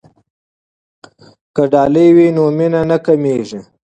که ډالۍ وي نو مینه نه کمېږي.